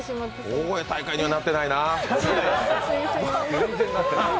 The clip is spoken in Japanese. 大声大会にはなってないなー。